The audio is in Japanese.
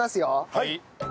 はい。